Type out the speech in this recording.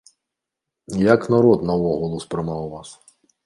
Як народ наогул успрымаў вас?